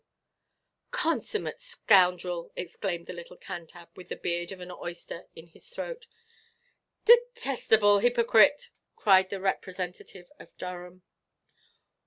W." "Consummate scoundrel!" exclaimed the little Cantab, with the beard of an oyster in his throat. "Detasteable heepocrite!" cried the representative of Durham.